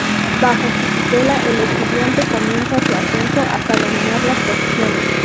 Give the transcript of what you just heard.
Bajo su tutela, el estudiante comienza su ascenso hasta dominar las pociones.